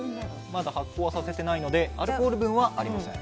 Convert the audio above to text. まだ発酵はさせてないのでアルコール分はありません。